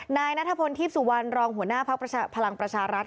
นายนัทพลทีพสุวรรณรองหัวหน้าภักดิ์พลังประชารัฐ